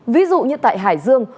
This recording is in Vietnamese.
ví dụ như tại hải dương